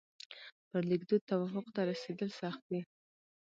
پر لیکدود توافق ته رسېدل سخت دي.